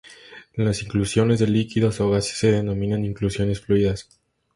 Las inclusiones de líquidos o gases se denominan "inclusiones fluidas".